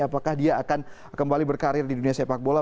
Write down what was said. apakah dia akan kembali berkarir di dunia sepak bola